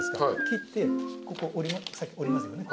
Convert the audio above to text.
切ってここ折りますよね？